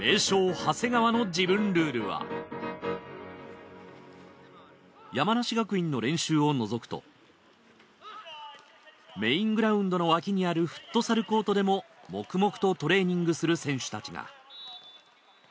長谷川の自分ルールは山梨学院の練習をのぞくとメイングラウンドの脇にあるフットサルコートでも黙々とトレーニングする選手たちが。